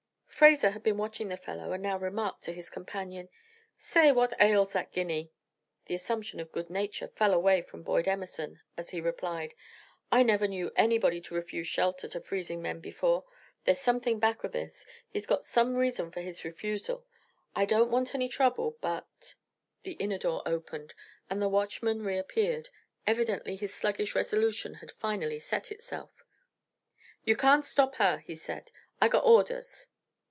Fraser had been watching the fellow, and now remarked to his companion: "Say, what ails that ginney?" The assumption of good nature fell away from Boyd Emerson as he replied: "I never knew anybody to refuse shelter to freezing men before. There's something back of this he's got some reason for his refusal. I don't want any trouble, but " The inner door opened, and the watchman reappeared. Evidently his sluggish resolution had finally set itself. "You can't stop har!" he said. "Ay got orders."